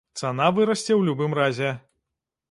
Цана вырасце ў любым разе.